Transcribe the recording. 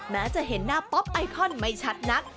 แม้จะเห็นหน้าป๊อปไอคอนไม่ชัดนัก